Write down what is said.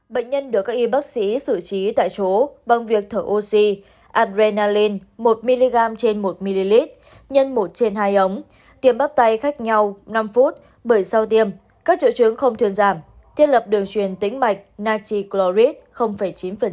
bệnh nhân được các y bác sĩ xử trí tại chỗ bằng việc thở oxy anbrealin một mg trên một ml nhân một trên hai ống tiêm bắp tay khác nhau năm phút bởi sau tiêm các triệu chứng không thuyền giảm thiết lập đường truyền tính mạch nachi clorid chín